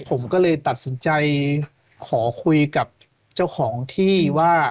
ผมก็เลยตัดสินใจขอคุยกับเจ้าของที่ว่า